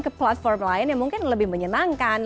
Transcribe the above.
ke platform lain yang mungkin lebih menyenangkan